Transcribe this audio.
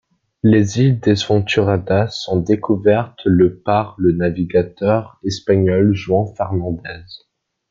Les îles Desventuradas sont découvertes le par le navigateur espagnol Juan Fernández.